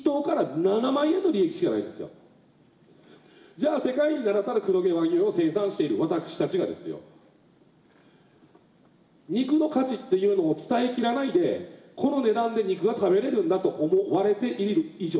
じゃあ世界に名だたる黒毛和牛を生産している私たちがですよ肉の価値っていうのを伝えきらないでこの値段で肉が食べられるんだと思われている以上。